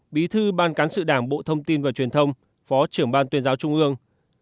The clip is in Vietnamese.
bí thư ban cán sự đảng bộ thông tin và truyền thông phó trưởng ban tuyên giáo trung ương